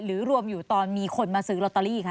รวมอยู่ตอนมีคนมาซื้อลอตเตอรี่คะ